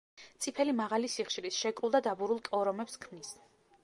წიფელი მაღალი სიხშირის, შეკრულ და დაბურულ კორომებს ქმნის.